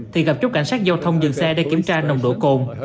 thì gặp chốt cảnh sát giao thông dừng xe để kiểm tra nồng độ cồn